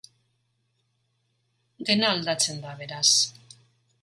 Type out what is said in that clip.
Dena aldatzen da, beraz.